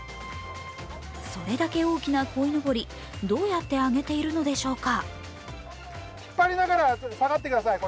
それだけ大きなこいのぼり、どうやって上げているのでしょうか。